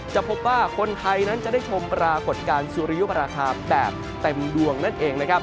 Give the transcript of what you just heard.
จะพบว่าคนไทยนั้นจะได้ชมปรากฏการณ์สุริยุปราคาแบบเต็มดวงนั่นเองนะครับ